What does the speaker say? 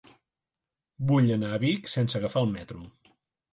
Vull anar a Vic sense agafar el metro.